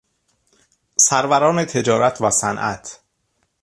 سروران تجارت و صنعت